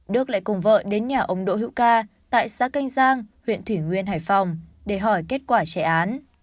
đức lại cùng vợ đến nhà ông đỗ hữu ca tại xã canh giang huyện thủy nguyên hải phòng để hỏi kết quả trẻ án